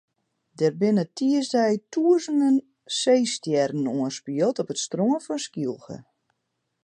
Der binne tiisdei tûzenen seestjerren oanspield op it strân fan Skylge.